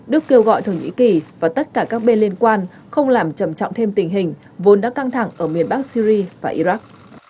đức kêu gọi thổ nhĩ kỳ và tất cả các bên liên quan không làm trầm trọng thêm tình hình vốn đã căng thẳng ở miền bắc syri và iraq